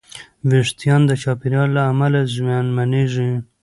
وېښتيان د چاپېریال له امله زیانمنېږي.